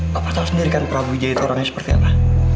bapak tahu sendiri kan prabu jahit orangnya seperti apa